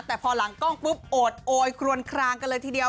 แต่พอหลังกล้องปุ๊บโอดโอยครวนคลางกันเลยทีเดียว